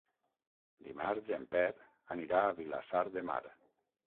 Dimarts en Pep anirà a Vilassar de Mar.